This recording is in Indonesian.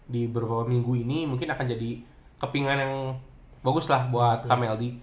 di beberapa minggu ini mungkin akan jadi kepingan yang bagus lah buat kami aldi